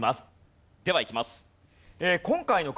ではいきます。